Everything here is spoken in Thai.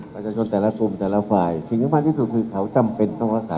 ประชาชนแต่ละกลุ่มแต่ละฝ่ายสิ่งที่มากที่สุดคือเขาจำเป็นต้องรักษา